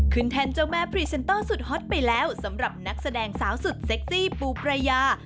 แทนเจ้าแม่พรีเซนเตอร์สุดฮอตไปแล้วสำหรับนักแสดงสาวสุดเซ็กซี่ปูปรายา